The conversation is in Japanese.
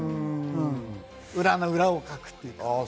裏の裏をかくというか。